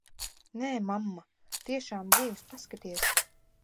Nē, mamma, tiešām dzīvs. Paskaties.